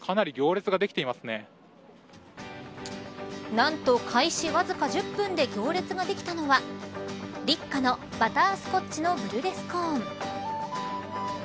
何と開始わずか１０分で行列ができたのはＬｙｃｋａのバタースコッチのブリュレスコーン。